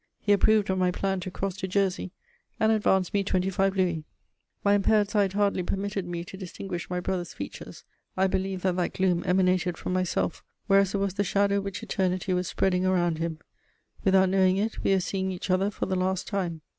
He approved of my plan to cross to Jersey, and advanced me twenty five louis. My impaired sight hardly permitted me to distinguish my brother's features; I believed that that gloom emanated from myself, whereas it was the shadow which Eternity was spreading around him: without knowing it, we were seeing each other for the last time.